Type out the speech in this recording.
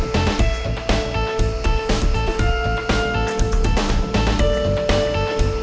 gue tepat tepat abang trok